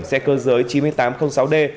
xe cơ giới chín nghìn tám trăm linh sáu d